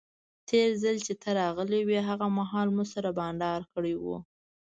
تیر ځل چې ته راغلی وې هغه مهال مو سره بانډار کړی وو.